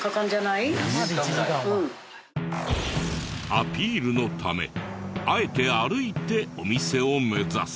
アピールのためあえて歩いてお店を目指す。